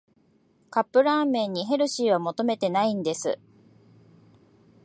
カップラーメンにヘルシーは求めてないんです